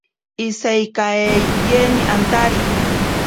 Iseikaeyeni antari.